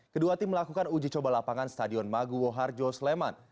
kedua tim melakukan uji coba lapangan stadion maguwo harjo sleman